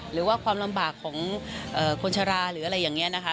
หรือว่าความลำบากของคนชะลาหรืออะไรอย่างนี้นะคะ